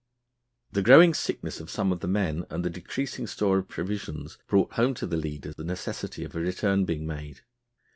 The growing sickness of some of the men and the decreasing store of provisions brought home to the leader the necessity of a return being made.